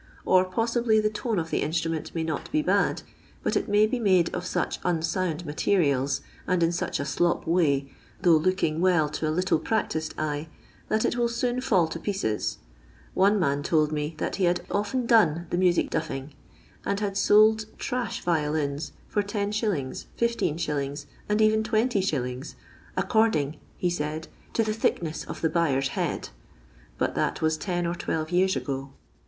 Or poatibly the tone of the in«tniment may not bo bad, bat it may be made of inch unsound materials, and in such a slop war, though looking well to a little practised eye, that it will soon fieUl to pieces. One man told, me that he had often done the music duffing, and had sold trash rioUns for 10s., 16s., and even 20«., " according," he said, " to the thickness of the buyer's head," but that was ten or twelve years ago.